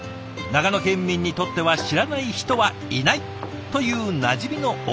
長野県民にとっては知らない人はいないというなじみのおかずだそう。